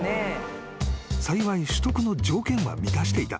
［幸い取得の条件は満たしていた］